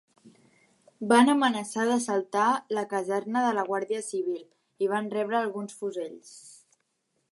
Van amenaçar d'assaltar la caserna de la guàrdia civil i van rebre alguns fusells.